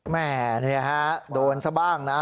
แม่โดนสบ้างนะ